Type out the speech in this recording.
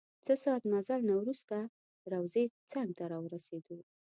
څه ساعت مزل نه وروسته روضې څنګ ته راورسیدو.